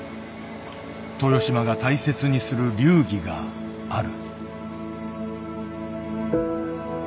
豊島が大切にする流儀がある。